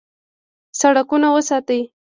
سړکونه وساتئ